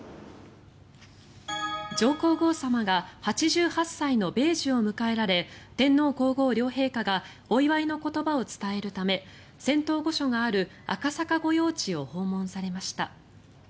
上皇后さまが８８歳の米寿を迎えられ天皇・皇后両陛下がお祝いの言葉を伝えるため仙洞御所がある赤坂御用地を訪問されました。